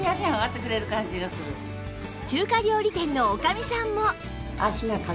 中華料理店のおかみさんも